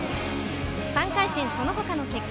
３回戦、その他の結果。